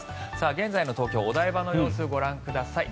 現在の東京・お台場の様子ご覧ください。